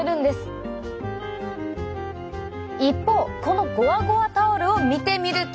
一方このゴワゴワタオルを見てみると。